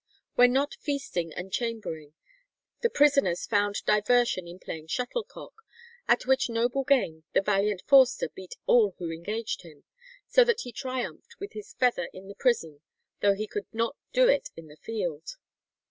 When not feasting and chambering, the prisoners found diversion in playing shuttlecock, "at which noble game the valiant Forster beat all who engaged him, so that he triumphed with his feather in the prison though he could not do it in the field."